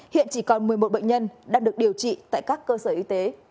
hiện chỉ còn một mươi một bệnh nhân đang được điều trị tại các cơ sở y tế